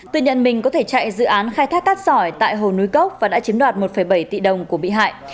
tuy nhiên mình có thể chạy dự án khai thác cát sỏi tại hồ núi cốc và đã chiếm đoạt một bảy tỷ đồng của bị hại